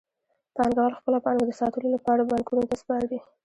پانګوال خپله پانګه د ساتلو لپاره بانکونو ته سپاري